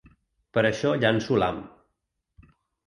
Per això llanço l’ham.